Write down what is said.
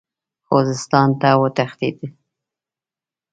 خوزستان ته وتښتېد.